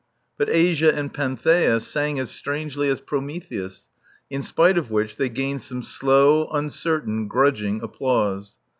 But Asia and Panthea sang as strangely as Prometheus, in spite of which they gained some slow, uncertain, grudging applause.